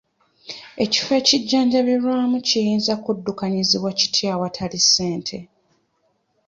Ekifo ekijjanjabirwamu kiyinza kuddukanyizibwa kitya awatali ssente?